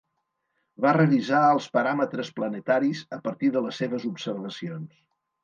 Va revisar els paràmetres planetaris a partir de les seves observacions.